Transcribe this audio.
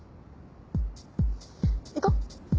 行こう。